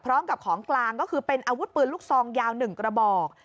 ของกลางก็คือเป็นอาวุธปืนลูกซองยาว๑กระบอก